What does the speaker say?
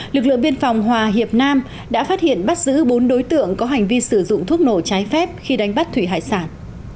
lực lượng biên phòng hòa hiệp nam đã phát hiện bắt giữ bốn đối tượng có hành vi sử dụng thuốc nổ trái phép khi đánh bắt thủy hải sản